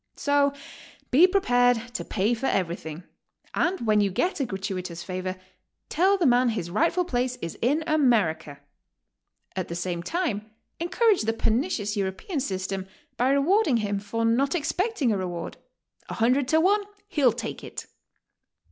So be prepared to pay for eveything, and When you get a gratuitous favor, tell the man his rightful place is in America; at the same time, encourage the pernicious Euro pean system by rewarding him for not expecting a reward. A hundred to one he'll take it!